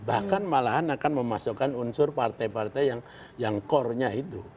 bahkan malahan akan memasukkan unsur partai partai yang core nya itu